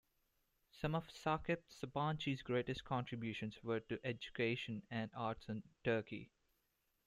Some of Sakip Sabanci's greatest contributions were to education and arts in Turkey.